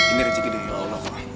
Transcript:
ini rezeki dari allah